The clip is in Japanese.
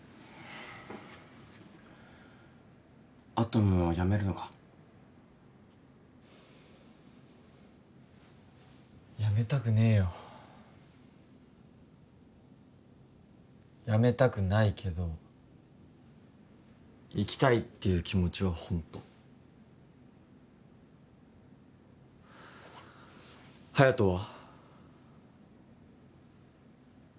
アトムを辞めるのか辞めたくねえよ辞めたくないけど行きたいっていう気持ちはホント隼人は？